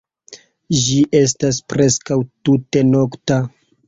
Ĝi estas preskaŭ tute nokta.